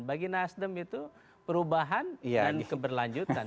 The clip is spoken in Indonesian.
bagi nasdem itu perubahan dan keberlanjutan